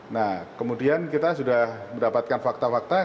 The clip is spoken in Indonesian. nah kemudian kita sudah mendapatkan fakta fakta